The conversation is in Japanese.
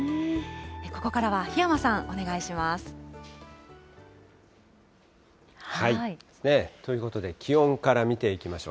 ここからは檜山さん、お願いしまということで、気温から見ていきましょう。